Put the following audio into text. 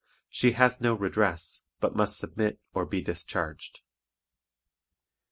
She has no redress, but must submit or be discharged.